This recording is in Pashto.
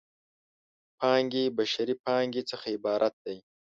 پانګې بشري پانګې څخه عبارت دی.